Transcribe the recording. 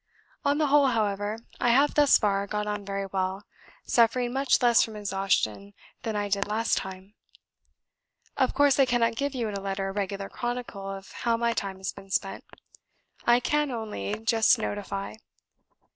On the whole, however, I have thus far got on very well, suffering much less from exhaustion than I did last time. "Of course I cannot give you in a letter a regular chronicle of how my time has been spent. I can only just notify.